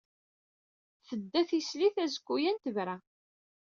Tedda tislit azekka-yan tebra.